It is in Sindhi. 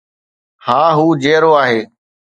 ها، هو جيئرو آهي